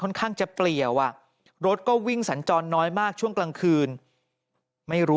หลังจากพบศพผู้หญิงปริศนาตายตรงนี้ครับ